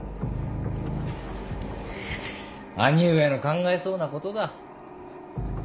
兄上の考えそうなことだ。